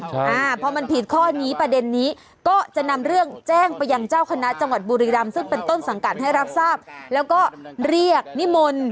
ใช่อ่าพอมันผิดข้อนี้ประเด็นนี้ก็จะนำเรื่องแจ้งไปยังเจ้าคณะจังหวัดบุรีรำซึ่งเป็นต้นสังกัดให้รับทราบแล้วก็เรียกนิมนต์